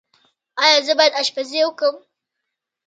ایا زه باید اشپزي وکړم؟